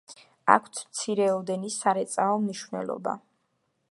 აქვთ მცირეოდენი სარეწაო მნიშვნელობა.